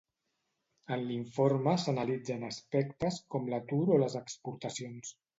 En l'informe s'analitzen aspectes com l'atur o les exportacions.